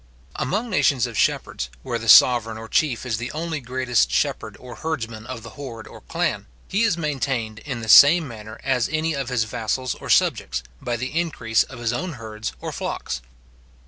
Among nations of shepherds, where the sovereign or chief is only the greatest shepherd or herdsman of the horde or clan, he is maintained in the same manner as any of his vassals or subjects, by the increase of his own herds or flocks.